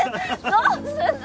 どうするの？